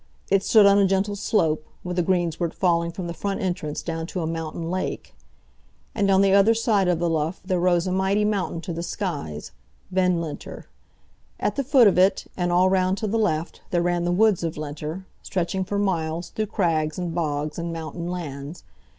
It stood on a gentle slope, with a greensward falling from the front entrance down to a mountain lake. And on the other side of the Lough there rose a mighty mountain to the skies, Ben Linter. At the foot of it, and all round to the left, there ran the woods of Linter, stretching for miles through crags and bogs and mountain lands.